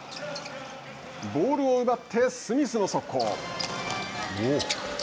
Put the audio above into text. ボールを奪ってスミスの速攻。